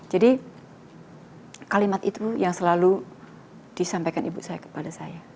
jadi kalimat itu yang selalu disampaikan ibu saya kepada saya